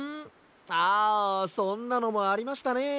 ああそんなのもありましたね。